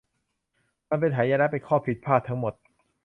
มันเป็นหายนะ เป็นข้อผิดพลาดทั้งหมด